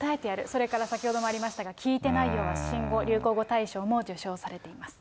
それから先ほどもありましたが、聞いてないよォは新語・流行語大賞も受賞されています。